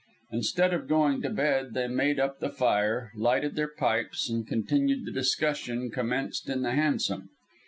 Instead of going to bed, they made up the fire, lighted their pipes, and continued the discussion commenced in the hansom.